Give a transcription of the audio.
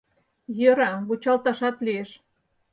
Йӧра, вучалташат лиеш.